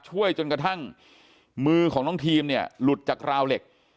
ช่วยจนกระทั่งมือของน้องทีมเนี่ยหลุดจากราวเหล็ก